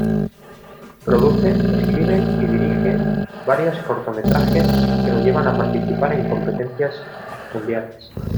Produce, escribe y dirige varios cortometrajes que lo llevan a participar en competencias mundiales.